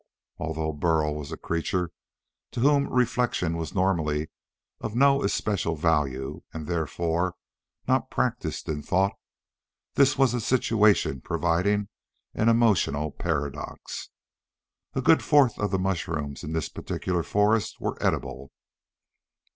Although Burl was a creature to whom reflection was normally of no especial value and, therefore, not practiced in thought, this was a situation providing an emotional paradox. A good fourth of the mushrooms in this particular forest were edible.